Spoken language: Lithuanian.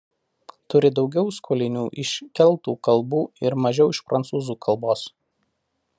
Turi daugiau skolinių iš keltų kalbų ir mažiau iš prancūzų kalbos.